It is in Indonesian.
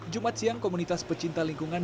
jumat siang komunitas pecinta lingkungan